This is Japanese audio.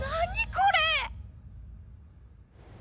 これ！